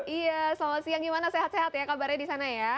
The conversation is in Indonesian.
iya selamat siang gimana sehat sehat ya kabarnya di sana ya